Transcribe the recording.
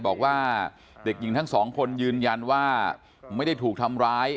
บอกว่าเด็กหญิงทั้งสองคนยืนยันว่าไม่ได้ถูกทำร้าย